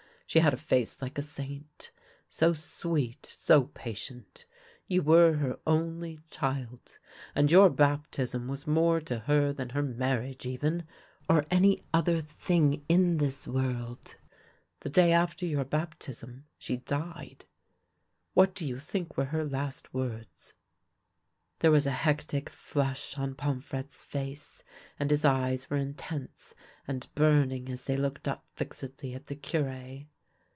She had a face like a saint — so sweet, so patient. You were her only child, and your baptism was more to her than her marriage even, or any other thing in this world. The day after your baptism she died. What do you think were her last words ?" There was a hectic flush on Pomfrette's face, and his eyes were intense and burning as they looked up fixedly at the Cure.